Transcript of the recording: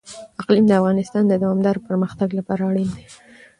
اقلیم د افغانستان د دوامداره پرمختګ لپاره اړین دي.